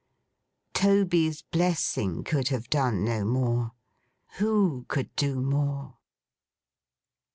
Toby's blessing could have done no more. Who could do more!